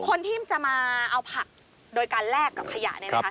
คนที่จะมาเอาผักโดยการแลกกับขยะเนี่ยนะคะ